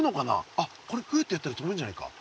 あっこれフッてやったらとぶんじゃないか？